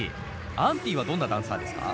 Ａｎｔｉはどんなダンサーですか？